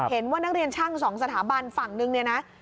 เห็นว่านักเรียนช่างสองสถาบันฝั่งนึงเนี่ยนะ